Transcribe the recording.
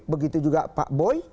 begitu juga pak boy